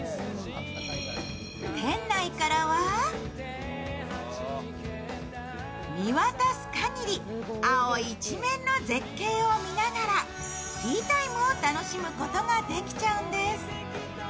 店内からは、見渡す限り青一面の絶景を見ながらティータイムを楽しむことができちゃうんです。